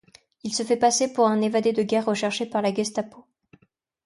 Il se fait passer pour un évadé de guerre recherché par la Gestapo.